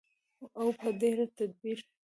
او په ډیر تدبیر.